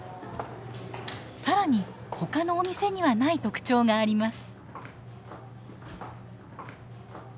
更にほかのお店にはない特徴があります。